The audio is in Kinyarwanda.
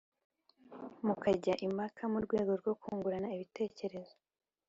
mukajya impaka murwego rwo kungurana ibitekerezo.